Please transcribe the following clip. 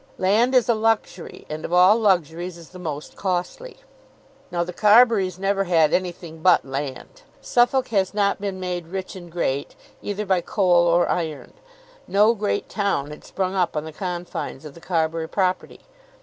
Land is a luxury, and of all luxuries is the most costly. Now the Carburys never had anything but land. Suffolk has not been made rich and great either by coal or iron. No great town had sprung up on the confines of the Carbury property.